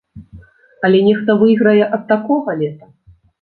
Але нехта выйграе ад такога лета.